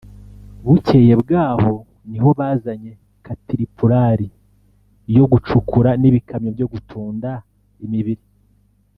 bukeye bwaho niho bazanye katiripulari yo gucukura n’ibikamyo byo gutunda imibiri